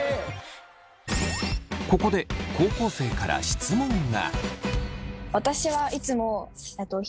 ここで高校生から質問が。